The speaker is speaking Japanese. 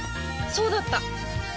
そうだった！